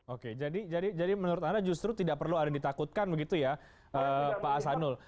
oke jadi menurut anda justru tidak perlu ada yang ditakutkan begitu ya pak asanul